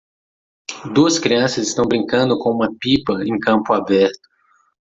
Duas crianças estão brincando com uma pipa em campo aberto.